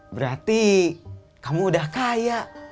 berarti kamu udah kaya